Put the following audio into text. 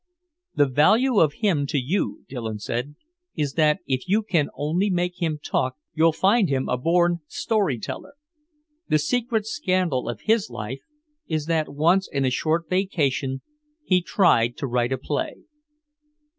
"The value of him to you," Dillon said, "is that if you can only make him talk you'll find him a born storyteller. The secret scandal of his life is that once in a short vacation he tried to write a play."